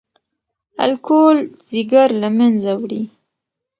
الکول ځیګر له منځه وړي.